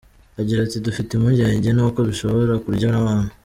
Agira ati”Dufite impungenge nuko zishobora kurya n’abantu.